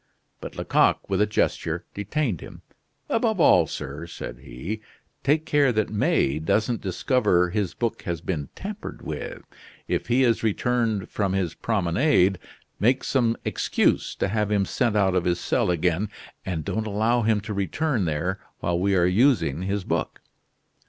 But Lecoq, with a gesture, detained him. "Above all, sir," said he, "take care that May doesn't discover his book has been tampered with. If he has returned from his promenade, make some excuse to have him sent out of his cell again; and don't allow him to return there while we are using his book."